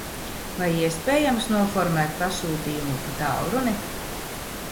Vai iespējams noformēt pasūtījumu pa tālruni?